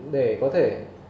để có thể